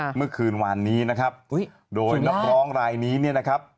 เมื่อคืนวานนี้นะครับโดยนักร้องรายนี้เนี่ยนะครับ